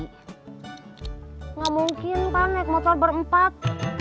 tidak mungkin pak naik motor berempat